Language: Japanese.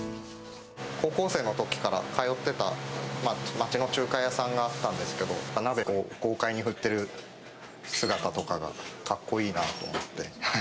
高校生のときから通ってた町の中華屋さんがあったんですけど、鍋を豪快に振ってる姿とかがかっこいいなと思って。